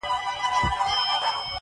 ټوله شپه خوبونه وي.